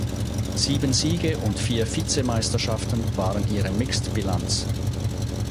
Sieben Siege und vier Vizemeisterschaften waren ihre Mixed-Bilanz.